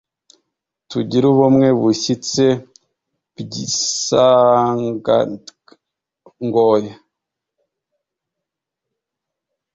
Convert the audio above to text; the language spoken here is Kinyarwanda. tugirubumwe bushyitse bgisangantngoyi